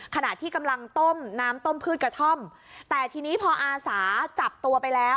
ขณะที่กำลังต้มน้ำต้มพืชกระท่อมแต่ทีนี้พออาสาจับตัวไปแล้ว